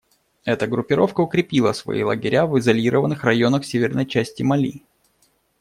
Эта группировка укрепила свои лагеря в изолированных районах северной части Мали.